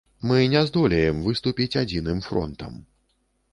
Мы не здолеем выступіць адзіным фронтам.